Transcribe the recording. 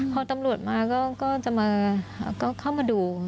พอตำรวจมาก็จะเข้ามาดู